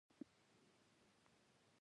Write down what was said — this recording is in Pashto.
وری کې ماشومان په باغونو کې لوبې کوي.